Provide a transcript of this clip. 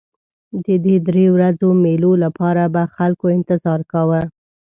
د دې درې ورځو مېلو لپاره به خلکو انتظار کاوه.